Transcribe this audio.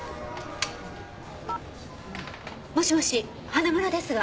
もしもし花村ですが。